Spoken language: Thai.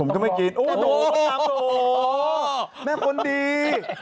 ต้องรอโอ๊ยแม่คนดี